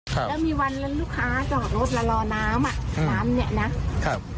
แล้วมีวันลูกค้าจอดรถแล้วรอน้ำนี้นะ